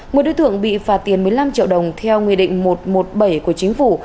một đối tượng bị phạt tiền một mươi năm triệu đồng theo nguyên định một trăm một mươi bảy của chính phủ